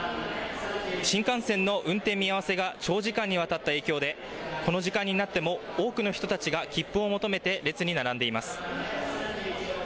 新幹線の運転見合わせが長時間にわたった影響でこの時間になっても多くの人たちが切符を求めて列に並んでいます。